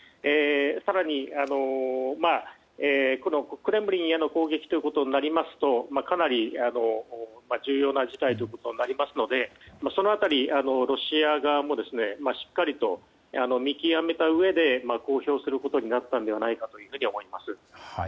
更に、クレムリンへの攻撃ということになりますとかなり重要な事態となりますのでその辺り、ロシア側もしっかりと見極めたうえで公表することになったのではないかというふうに思います。